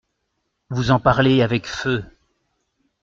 Vous en parlez avec feu.